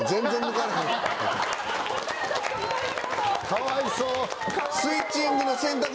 かわいそう。